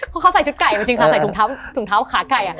เขาใส่ชุดไก่มาจริงค่ะ